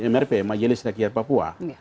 mrp majelis rakyat papua